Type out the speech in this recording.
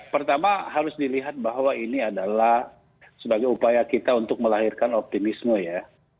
pertama harus dilihat bahwa ini adalah sebagai upaya kita untuk melahirkan optimisme ya